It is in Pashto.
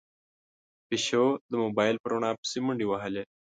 پيشو د موبايل په رڼا پسې منډې وهلې.